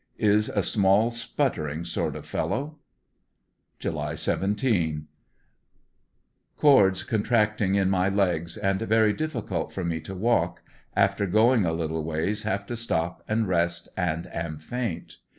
Is a small, sputtering sort of fellow. July 17. — Cords contracting in my legs and very difficult for me to walk — after going a little ways have to stop and rest and am faint.